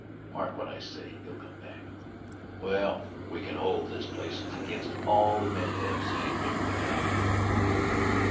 "Mark what I say, he'll come back!" "Wal, we kin hold this place against all the men Eb Zane may put out."